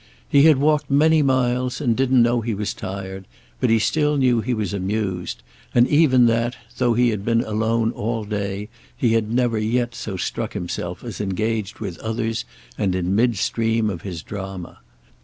He had walked many miles and didn't know he was tired; but he still knew he was amused, and even that, though he had been alone all day, he had never yet so struck himself as engaged with others and in midstream of his drama.